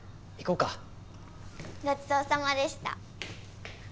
ごちそうさまでした。